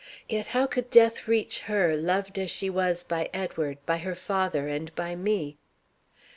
Yet how could death reach her, loved as she was by Edward, by her father, and by me.